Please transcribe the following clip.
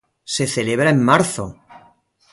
Se celebra en marzo.